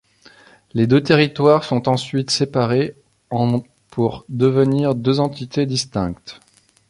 Les deux territoires sont ensuite séparés en pour devenir deux entités distinctes.